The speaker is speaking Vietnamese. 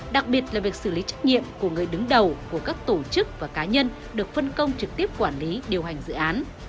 đặc biệt là việc xử lý trách nhiệm của người đứng đầu của các tổ chức và cá nhân được phân công trực tiếp quản lý điều hành dự án